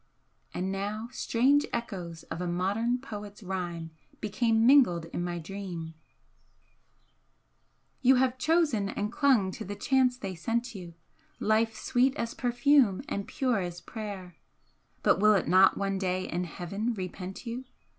And now strange echoes of a modern poet's rhyme became mingled in my dream: "You have chosen and clung to the chance they sent you Life sweet as perfume and pure as prayer, But will it not one day in heaven repent you?